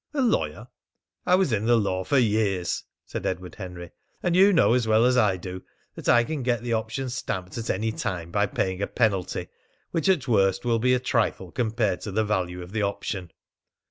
"A lawyer?" "I was in the law for years," said Edward Henry. "And you know as well as I do that I can get the option stamped at any time by paying a penalty, which at worst will be a trifle compared to the value of the option."